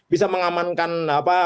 bisa mengamankan apa